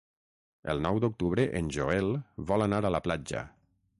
El nou d'octubre en Joel vol anar a la platja.